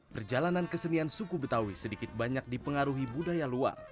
perjalanan kesenian suku betawi sedikit banyak dipengaruhi budaya luar